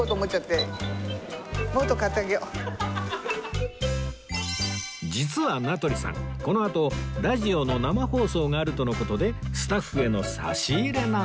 私実は名取さんこのあとラジオの生放送があるとの事でスタッフへの差し入れなんだそう